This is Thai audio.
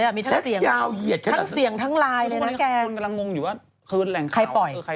ทุกวันที่แชทแชทลุดออกมาก็เกมพลิก